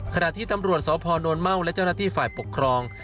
ขณะที่ตำรวจสพนเม่าและเจ้าหน้าที่ฝ่ายปกครอง